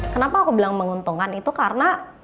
kenapa aku bilang menguntungkan itu karena